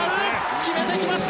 決めてきました！